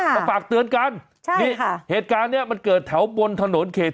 มาฝากเตือนกันใช่นี่เหตุการณ์เนี้ยมันเกิดแถวบนถนนเขต